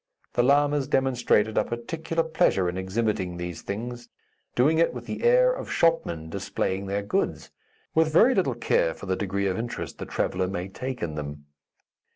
The lamas demonstrated a particular pleasure in exhibiting these things, doing it with the air of shopmen displaying their goods, with very little care for the degree of interest the traveller may take in them.